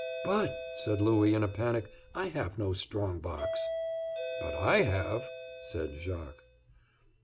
"But," said Louis, in a panic, "I have no strong box." "But I have," said Jacques.